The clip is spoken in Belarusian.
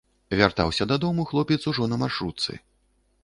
Вяртаўся дадому хлопец ужо на маршрутцы.